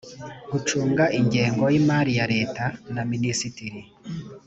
gucunga ingengo y imari ya leta na minisitiri